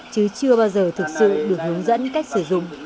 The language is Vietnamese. chứ chưa bao giờ thực sự được hướng dẫn cách sử dụng